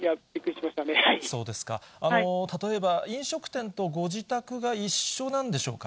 例えば、飲食店とご自宅が一緒なんでしょうか。